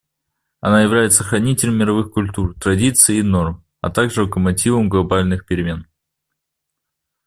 Она является хранителем мировых культур, традиций и норм, а также локомотивом глобальных перемен.